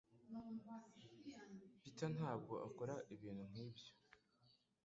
Peter ntabwo akora ibintu nkibyo.